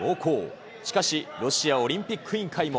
しかし、しかしロシアオリンピック委員会も。